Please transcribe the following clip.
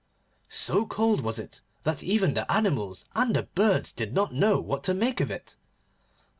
So cold was it that even the animals and the birds did not know what to make of it.